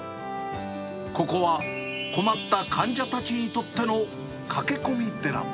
ここは困った患者たちにとっての駆け込み寺。